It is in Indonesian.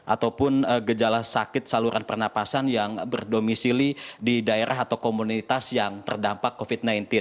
ataupun gejala sakit saluran pernapasan yang berdomisili di daerah atau komunitas yang terdampak covid sembilan belas